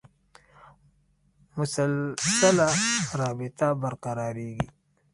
مسلسله رابطه برقرارېږي.